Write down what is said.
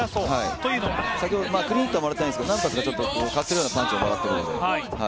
先ほどクリンーヒットはもらっていないんですが、何回かかするようなパンチをもらっているんです。